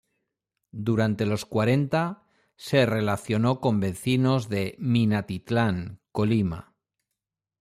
Durante los cuarenta, se relacionó con vecinos de Minatitlán, Colima.